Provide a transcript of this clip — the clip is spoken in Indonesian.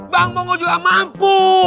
bang mongol juga mampu